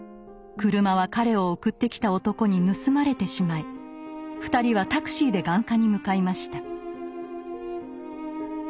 車は彼を送ってきた男に盗まれてしまい２人はタクシーで眼科に向かいました。